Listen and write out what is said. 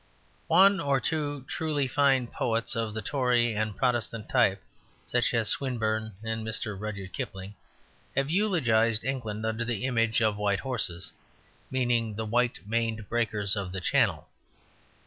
One or two truly fine poets of the Tory and Protestant type, such as Swinburne and Mr. Rudyard Kipling, have eulogized England under the image of white horses, meaning the white maned breakers of the Channel.